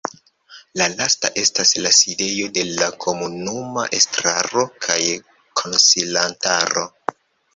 La lasta estas la sidejo de la komunuma estraro kaj konsilantaro.